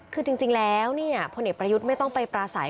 คือจริงแล้วพลเอกประยุทธ์ไม่ต้องไปปราศัย